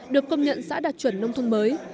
được công nhận xã đạt chuẩn nông thôn mới